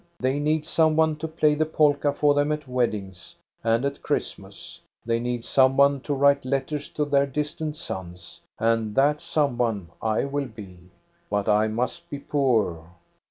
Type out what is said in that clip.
They need some one to play the polka for them at wed dings and at Christmas; they need some one to write letters to their distant sons, — and that some one I will be. But I must be poor."